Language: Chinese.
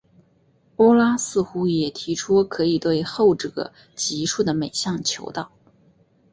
欧拉似乎也提出可以对后者级数的每项求导。